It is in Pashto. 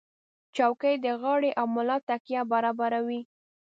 چوکۍ د غاړې او ملا تکیه برابروي.